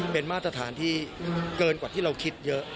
เป็นมาตรฐานที่เกินกว่าที่เราคิดเยอะ